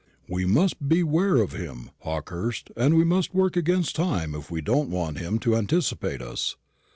We must beware of him, Hawkehurst, and we must work against time if we don't want him to anticipate us."